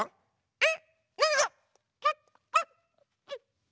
えっ？